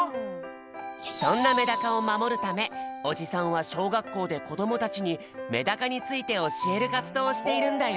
そんなメダカをまもるためおじさんはしょうがっこうでこどもたちにメダカについておしえるかつどうをしているんだよ。